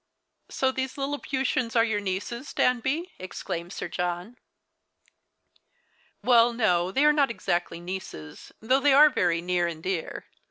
101 " So these Lilliputians are your nieces, Danby ?" exclaimed Sir John. "Well, no, they are not exactly nieces, though they are very near and dear.